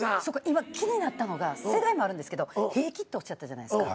今気になったのが世代もあるんですけど「平気」っておっしゃったじゃないですか。